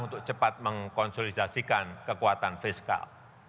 untuk cepat mengkonsolidasikan kekuatan fiskal